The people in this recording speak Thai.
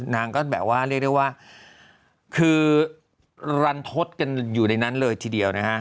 นางก็แบบว่าเรียกได้ว่าคือรันทศกันอยู่ในนั้นเลยทีเดียวนะฮะ